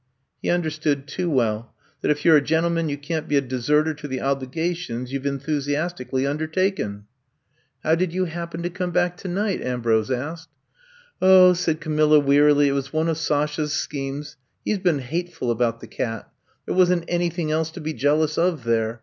*' He understood too well— that if you 're a gentleman you can't be a deserter to the obligations you Ve enthusiastically under taken. I'VE COMB TO STAY 183 How did you happen to oome back to night f '' Ambrose asked. 0h,'' said Camilla wearily, *4t was one of Sashays cchemes. He *s been hateful about the cat. There was n*t anything else to be jealous of there.